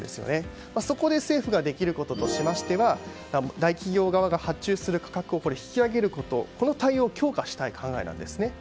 そこで政府ができることとしましては大企業側が、発注する価格を引き上げることの対応を強化したい考えなんですね。